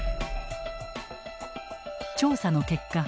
調査の結果